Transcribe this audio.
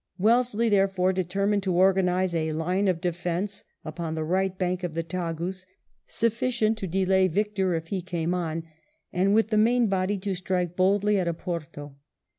Wellesley, therefore, determined to organise a line of defence upon the right bank of the Tagus, sufficient to delay Victor if he came on, and with the main body to strike boldly at Oporto.